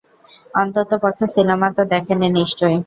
অন্ততপক্ষে সিনেমা তো দেখেনি নিশ্চয়ই।